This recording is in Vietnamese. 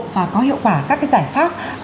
và có hiệu quả các cái giải pháp